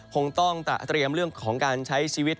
คงต้องเตรียมเรื่องของการใช้ชีวิต